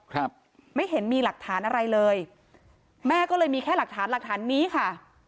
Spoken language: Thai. ครับไม่เห็นมีหลักฐานอะไรเลยแม่ก็เลยมีแค่หลักฐานหลักฐานนี้ค่ะ